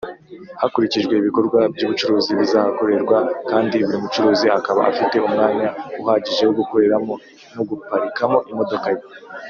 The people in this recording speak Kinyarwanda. hakurikijwe ibikorwa by’ ubucuruzi bizahakorerwa kandi buri mucuruzi akaba afite umwanya uhagije wo gukoreramo no guparikamo imodoka ye.